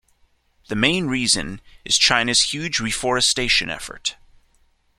The main reason is China's huge reforestation effort.